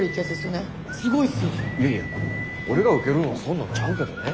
いやいや俺が受けるんはそんなんちゃうけどね。